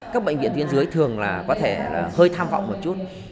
các bệnh viện tuyến dưới thường là có thể hơi tham vọng một chút